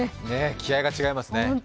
気合いが違いますね。